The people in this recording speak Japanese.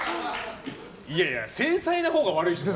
いやいや繊細なほうが悪いし。